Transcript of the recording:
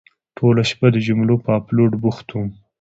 ټوله شپه د جملو په اپلوډ بوخت وم.